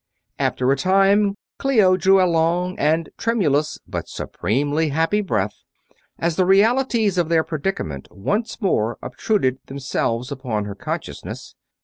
After a time Clio drew a long and tremulous, but supremely happy breath as the realities of their predicament once more obtruded themselves upon her consciousness.